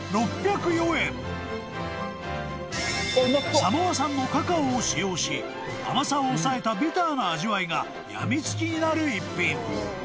［サモア産のカカオを使用し甘さを抑えたビターな味わいが病みつきになる逸品］